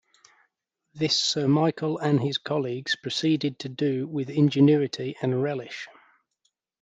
This Sir Michael and his colleagues proceeded to do with ingenuity and relish.